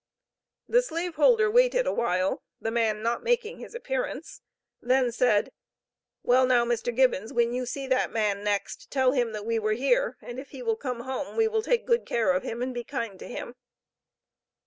The slaveholder waited awhile, the man not making his appearance, then said: "Well, now, Mr. Gibbons, when you see that man next, tell him that we were here, and if he will come home, we will take good care of him, and be kind to him."